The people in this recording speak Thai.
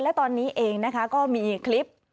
และตอนนี้เองนะคะก็มีคลิป